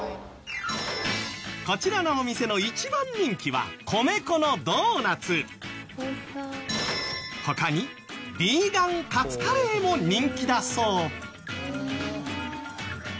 こちらのお店の一番人気は他にヴィーガンカツカレーも人気だそう。